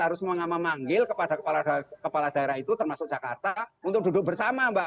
harus memanggil kepada kepala daerah itu termasuk jakarta untuk duduk bersama mbak